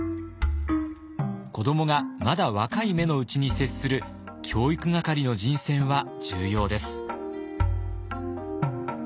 子どもがまだ若い芽のうちに接する教育係の人選は重要です。